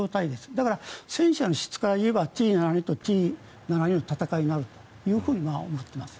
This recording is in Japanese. だから戦車の質から言えばＴ７２とＴ７２の戦いになると思います。